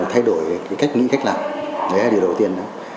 thay đổi cái cách nghĩ cách làm đấy là điều đầu tiên đó